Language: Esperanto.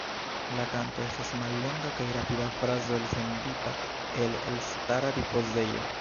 La kanto estas mallonga kaj rapida frazo elsendita el elstara ripozejo.